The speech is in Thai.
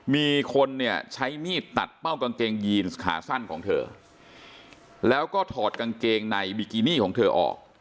มีคนเนี่ยใช้มีดตัดเป้ากางเกงยีนขาสั้นของเธอแล้วก็ถอดกางเกงในบิกินี่ของเธอออก